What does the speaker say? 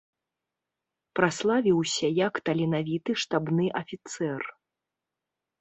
Праславіўся як таленавіты штабны афіцэр.